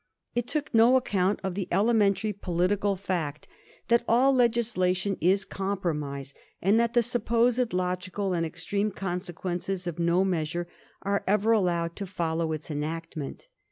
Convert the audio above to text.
It took no account of the elementary political fact that all legislation is compromise, and that the supposed logical and extreme consequences of no measure are ever allowed to follow its enactment.